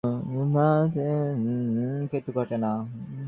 জীবনে অনেক সুযোগ ঘটতে পারে কিন্তু ঘটে না।